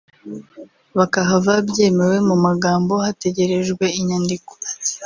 bakahava byemewe mu magambo hategerejwe inyandiko